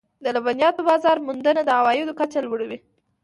د لبنیاتو بازار موندنه د عوایدو کچه لوړوي.